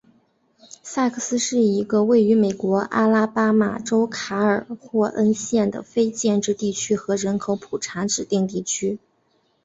萨克斯是一个位于美国阿拉巴马州卡尔霍恩县的非建制地区和人口普查指定地区。